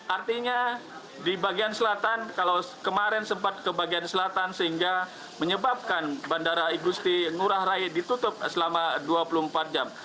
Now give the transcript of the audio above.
artinya di bagian selatan kalau kemarin sempat ke bagian selatan sehingga menyebabkan bandara igusti ngurah rai ditutup selama dua puluh empat jam